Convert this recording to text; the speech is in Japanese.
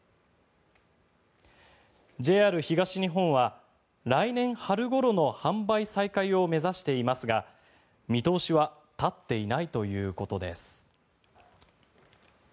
ＪＲ東日本は来年春ごろの販売再開を目指していますが見通しは立っていないということです。